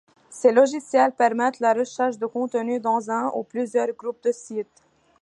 Ces logiciels permettent la recherche de contenus dans un ou plusieurs groupes de sites.